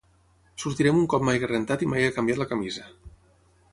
Sortirem un cop m'hagi rentat i m'hagi canviat la camisa.